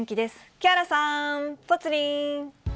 木原さん、ぽつリン。